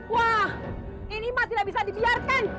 wah ini masih tidak bisa dibiarkan